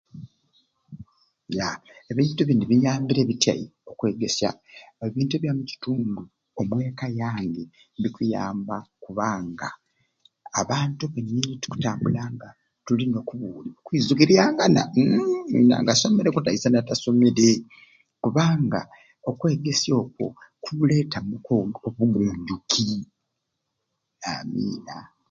Ya ebintu bini biyambire bityai okwegesya ebintu byamukitundu omweka yange bikuyamba kubanga abantu tukutambulanga tulina tukwizukiryangana mmm asomereku taisana atasomere kubanga okwegesya okwo kukuleetamu ku obugunjuki, amiina.